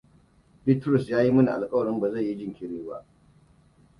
Bitrusu ya yi mini alkawarin ba zai yi jinkiri ba.